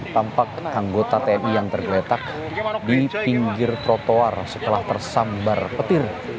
tampak anggota tni yang tergeletak di pinggir trotoar setelah tersambar petir